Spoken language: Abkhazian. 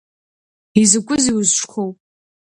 Изакәызеи изҿқәоу?